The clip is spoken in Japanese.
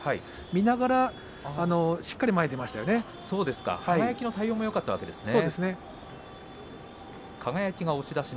見ながら輝の対応もよかったわけですね。